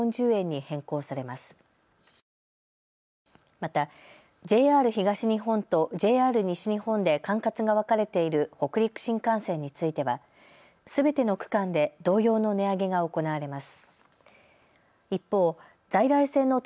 また、ＪＲ東日本とＪＲ西日本で管轄が分かれている北陸新幹線についてはすべての区間で同様の値上げが行われます。